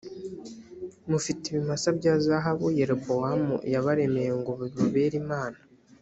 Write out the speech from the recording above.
mufite ibimasa bya zahabu yerobowamu yabaremeye ngo bibabere imana